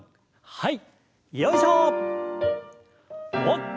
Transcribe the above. はい。